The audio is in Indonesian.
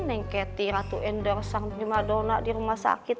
neng keti ratu ender sang penyemadona di rumah sakit